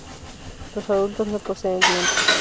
Los adultos no poseen dientes.